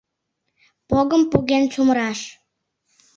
Погым поген чумыраш